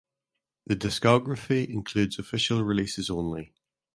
The discography includes official releases only.